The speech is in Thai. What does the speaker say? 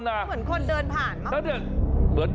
เหมือนคนเดินผ่านมาก